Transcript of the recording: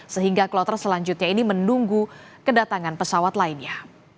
sehingga kloter selanjutnya ini menunggu kedatangan pesawat lainnya